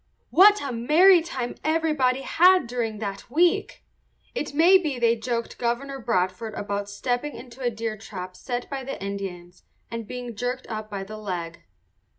What a merry time everybody had during that week! It may be they joked Governor Bradford about stepping into a deer trap set by the Indians and being jerked up by the leg.